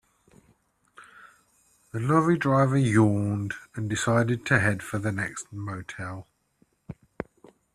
The lorry driver yawned and decided to head for the next motel.